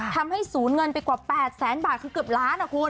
ทำให้สูญเงินไปกว่า๘แสนบาทคือเกือบล้านอ่ะคุณ